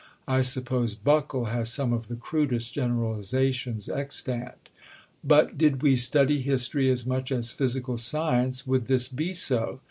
(I suppose Buckle has some of the crudest generalizations extant.) But, did we study history as much as physical science, would this be so?